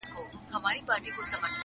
• پوليس کور پلټي او هر کونج ته ځي,